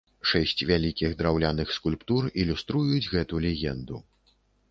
Шэсць вялікіх драўляных скульптур ілюструюць гэту легенду.